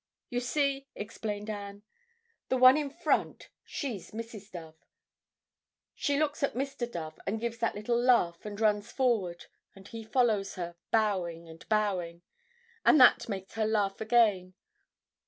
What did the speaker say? "You see," explained Anne, "the one in front, she's Mrs. Dove. She looks at Mr. Dove and gives that little laugh and runs forward, and he follows her, bowing and bowing. And that makes her laugh again.